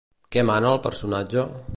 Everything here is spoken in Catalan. Què mana el personatge?